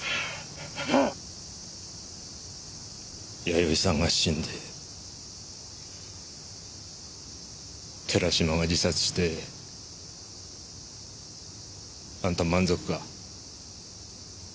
弥生さんが死んで寺島が自殺して。あんた満足か？